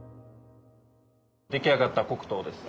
出来上がった黒糖です。